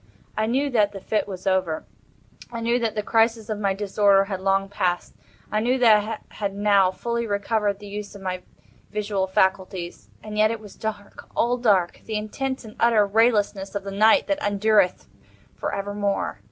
I knew that the fit was over. I knew that the crisis of my disorder had long passed. I knew that I had now fully recovered the use of my visual faculties—and yet it was dark—all dark—the intense and utter raylessness of the Night that endureth for evermore.